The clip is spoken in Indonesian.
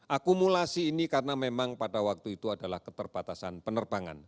akumulasi ini karena memang pada waktu itu adalah keterbatasan penerbangan